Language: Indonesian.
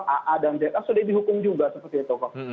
aa dan zk sudah dihukum juga seperti itu